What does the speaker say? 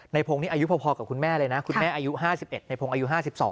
พงศ์นี่อายุพอกับคุณแม่เลยนะคุณแม่อายุ๕๑ในพงศ์อายุ๕๒